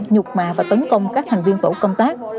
nhục mạ và tấn công các thành viên tổ công tác